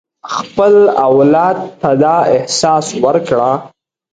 خپل اولاد ته دا احساس ورکړه.